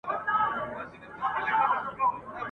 د خرقې دام..